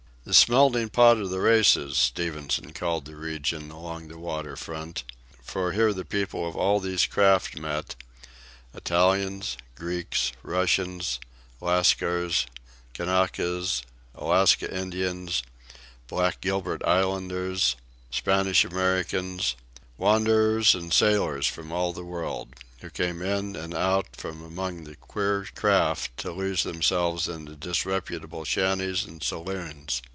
The "smelting pot of the races" Stevenson called the region along the water front, for here the people of all these craft met, Italians, Greeks, Russians, Lascars, Kanakas, Alaska Indians, black Gilbert Islanders, Spanish Americans, wanderers and sailors from all the world, who came in and out from among the queer craft to lose themselves in the disreputable shanties and saloons.